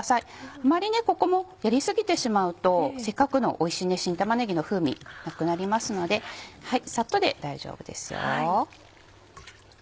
あまりここもやり過ぎてしまうとせっかくのおいしい新玉ねぎの風味なくなりますのでサッとで大丈夫です。